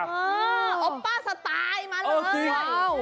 อ้าวอ๊อปป้าสไตล์มาเลย